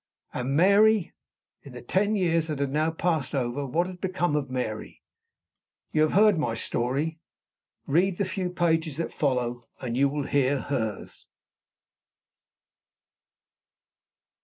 And Mary? In the ten years that had now passed over, what had become of Mary? You have heard my story. Read the few pages that follow, and you will hear hers.